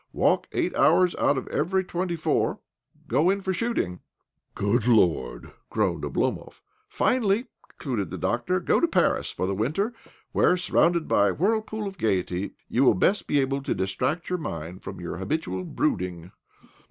Walk eight hours out of every twenty four ; go in for shootin'g." " Good Lord !" groaned Oblomov. " Finally," concluded the doctor, " go to Paris for the winter, where, surrounded by a whirlpool of gaiety, you will best be able to distract your mind from your habitual brooding.